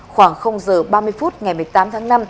khoảng giờ ba mươi phút ngày một mươi tám tháng năm